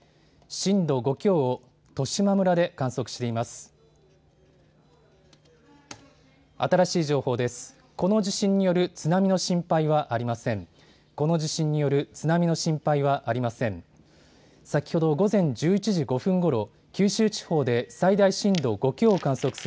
震度５強を十島村で観測しています。